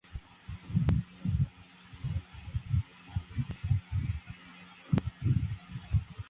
珠海路街道是中国青岛市市南区下辖的一个街道。